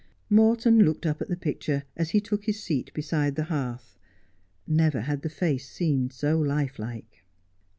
Morton looked up at the picture, as he took his seat beside the hearth. Never had the face seemed so life like.